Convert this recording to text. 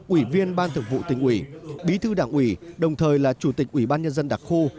ủy viên ban thực vụ tỉnh ủy bí thư đảng ủy đồng thời là chủ tịch ủy ban nhân dân đặc khu